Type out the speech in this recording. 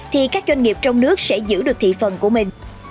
thì các doanh nghiệp trong nước sẽ giữ được thị phần của mình